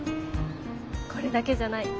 これだけじゃない。